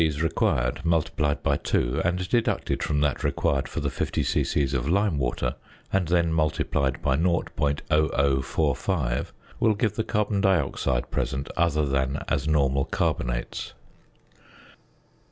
required, multiplied by two, and deducted from that required for the 50 c.c. of lime water, and then multiplied by 0.0045, will give the carbon dioxide present other than as normal carbonates.